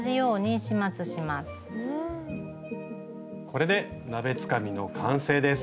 これで鍋つかみの完成です。